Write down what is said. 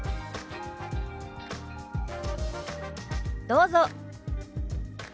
どうぞ。